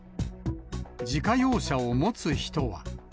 自家用車を持つ人は。